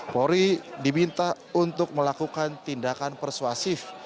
polri diminta untuk melakukan tindakan persuasif